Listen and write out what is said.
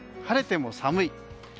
晴れても寒い。